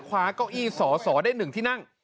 คว้าก้อยี่สอสอได้๑ที่นั่ง